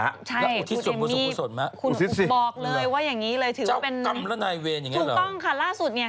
แล้วเอมี่บอกเลยว่าอย่างนี้เลยถือเป็นถูกต้องค่ะล่าสุดเนี่ย